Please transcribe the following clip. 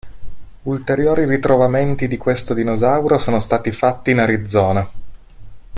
Ulteriori ritrovamenti di questo dinosauro sono stati fatti in Arizona.